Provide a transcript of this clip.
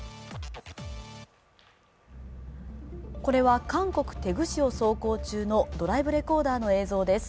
これは韓国テグ市を走行中のドライブレコーダーの映像です。